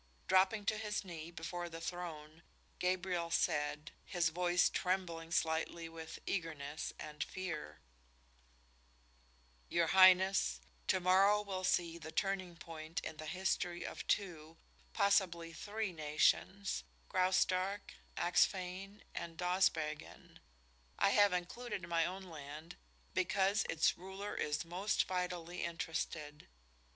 Dropping to his knee before the throne, Gabriel said, his voice trembling slightly with eagerness and fear: "Your Highness, to morrow will see the turning point in the history of two, possibly three nations Graustark, Axphain and Dawsbergen. I have included my own land because its ruler is most vitally interested.